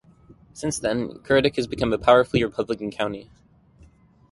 Since then, Currituck has become a powerfully Republican county.